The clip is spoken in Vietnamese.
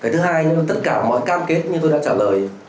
thứ hai tất cả mọi cam kết như tôi đã trả lời